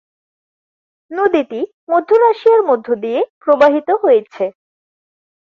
নদীটি মধ্য রাশিয়ার মধ্য দিয়ে প্রবাহিত হয়েছে।